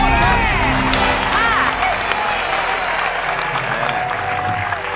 โอเค